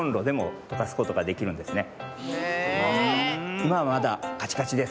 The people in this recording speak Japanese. いまはまだカチカチです。